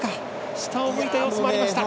下を向いた様子もありました。